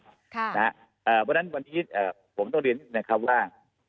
เพราะฉะนั้นวันนี้ผมต้องเรียนนิดนะครับว่า